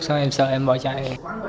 xong rồi em sợ em bỏ chạy